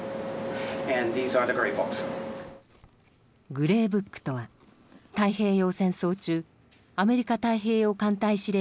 「グレーブック」とは太平洋戦争中アメリカ太平洋艦隊司令部が作成した報告書。